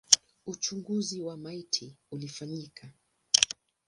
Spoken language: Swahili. Uchunguzi wa maiti ulifanyika.